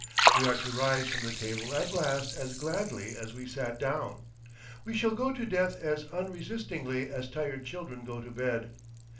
We are to rise from the table at last as gladly as we sat down. We shall go to death as unresistingly as tired children go to bed.